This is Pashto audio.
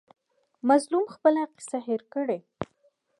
مظلوم خپله کیسه هېر کړي.